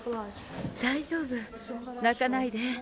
大丈夫、泣かないで。